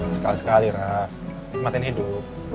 sekali sekali raff kematian hidup